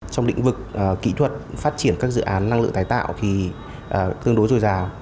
trong lĩnh vực kỹ thuật phát triển các dự án năng lượng tái tạo thì tương đối rồi giàu